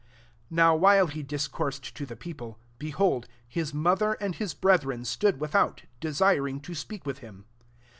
46 NOW while he discoursed to the people, behold, his mo ther and his bretliren stood without, desiring to speak with him.